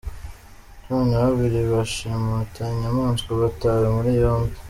Cumi na babiri bashimuta inyamaswa batawe muri yombi